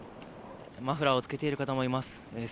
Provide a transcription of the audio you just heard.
マフラーをつけている方もいます。